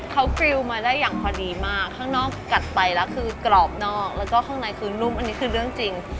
เขาฟริวมาได้อย่างพอดีมากข้างนอกกัดไปแล้วคือกรอบนอกแล้วก็ข้างในคือนุ่มอันนี้คือเรื่องจริง